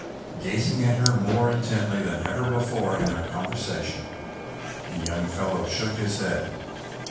Gazing at her more intently than ever before in their conversation, the young fellow shook his head.